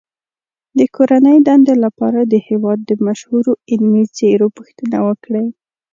د کورنۍ دندې لپاره د هېواد د مشهورو علمي څیرو پوښتنه وکړئ.